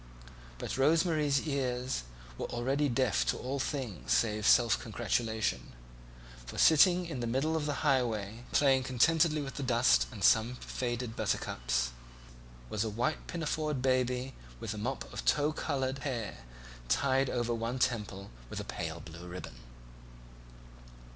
But Rose Marie's ears were already deaf to all things save self congratulation; for sitting in the middle of the highway, playing contentedly with the dust and some faded buttercups, was a white pinafored baby with a mop of tow coloured hair tied over one temple with a pale blue ribbon.